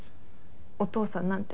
お父さんなんて？